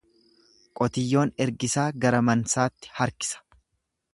Qotiyyoon ergisaa gara mansaatti harkisa.